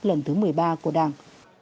lần thứ một mươi ba của đảng